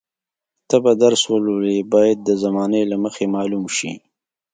ته به درس ولولې باید د زمانې له مخې معلوم شي.